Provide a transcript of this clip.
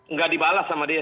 nggak dibalas sama dia